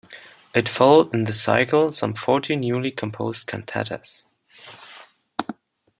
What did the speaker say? It followed in the cycle some forty newly composed cantatas.